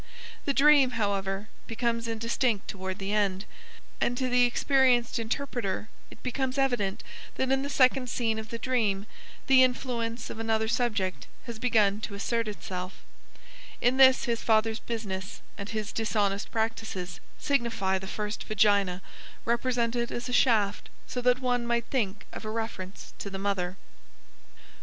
The dream, however, becomes indistinct toward the end, and to the experienced interpreter it becomes evident that in the second scene of the dream the influence of another subject has begun to assert itself; in this his father's business and his dishonest practices signify the first vagina represented as a shaft so that one might think of a reference to the mother.